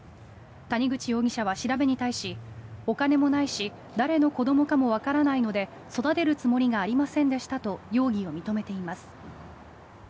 谷口容疑者は調べに対しお金もないし誰の子どもかもわからないので育てるつもりがありませんでしたと容疑を認めています。